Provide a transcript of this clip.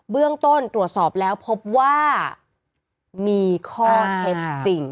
เรื่องต้นตรวจสอบแล้วพบว่ามีข้อเท็จจริง